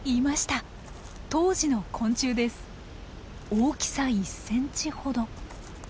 大きさ１ｃｍほど。